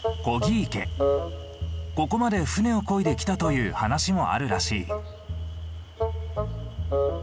ここまで舟をこいできたという話もあるらしい。